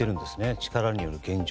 力による現状